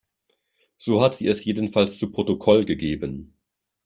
So hat sie es jedenfalls zu Protokoll gegeben.